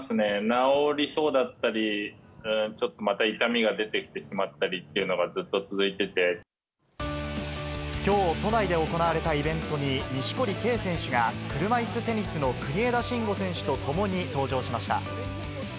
治りそうだったり、ちょっとまた痛みが出てきてしまったりっていうのがずっと続いてきょう、都内で行われたイベントに、錦織圭選手が車いすテニスの国枝慎吾選手と共に登場しました。